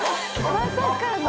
まさかの。